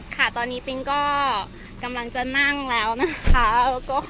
ค่ะตอนนี้ปิ๊งก็กำลังจะนั่งแล้วนะคะ